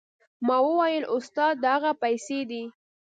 ما وويل استاده دا هغه پيسې دي.